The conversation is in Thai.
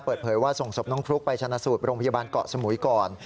เปิดเผยว่าส่งศพน้องฟลุ๊กไปชนะสูตรโรงพยาบาลเกาะสมุยก่อน